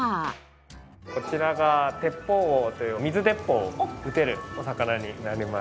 こちらがテッポウウオという水鉄砲を撃てるお魚になります。